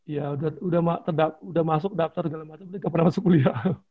ya udah masuk daftar segala macam udah pernah masuk kuliah